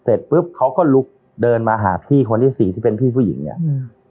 เสร็จปุ๊บเขาก็ลุกเดินมาหาพี่คนที่สี่ที่เป็นพี่ผู้หญิงเนี่ยอืม